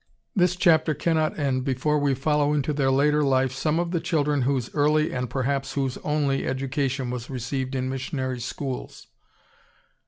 ] This chapter cannot end before we follow into their later life some of the children whose early and perhaps whose only education was received in missionary schools.